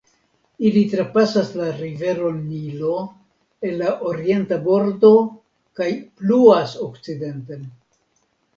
Ili trapasas la riveron Nilo el la orienta bordo kaj pluas okcidenten.